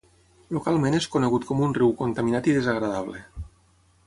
Localment és conegut com un riu contaminat i desagradable.